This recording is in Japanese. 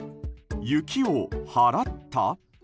雪を払った？